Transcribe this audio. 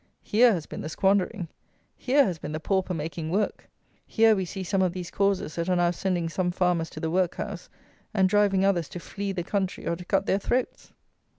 Here has been the squandering! Here has been the pauper making work! Here we see some of these causes that are now sending some farmers to the workhouse and driving others to flee the country or to cut their throats!